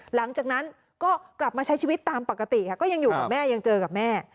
หลังจากนั้นก็กลับมาใช้ชีวิตตามปกติค่ะก็ยังอยู่กับแม่ยังเจอกับแม่